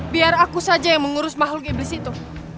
biar aku saja yang mengurus makhluk iblis itu